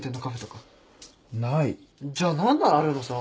じゃあ何ならあるのさ。